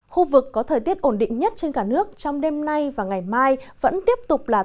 khu vực có thời tiết ổn định nhất trên cả nước trong đêm nay và ngày mai vẫn tiếp tục là